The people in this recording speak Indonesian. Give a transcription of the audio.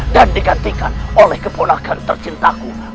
dan digantikan oleh keponakan tercintaku